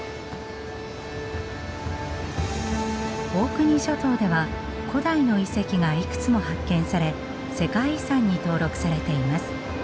オークニー諸島では古代の遺跡がいくつも発見され世界遺産に登録されています。